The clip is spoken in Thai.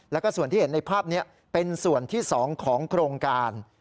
แล้วก็ส่วนที่เห็นในภาพนี้เป็นส่วนที่๒ของโครงการ